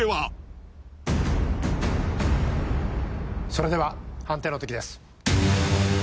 それでは判定の刻です。